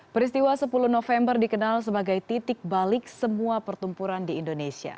peristiwa sepuluh november dikenal sebagai titik balik semua pertempuran di indonesia